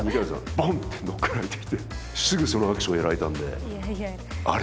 ボンって乗っかられていてすぐそのアクションをやられたんであれ？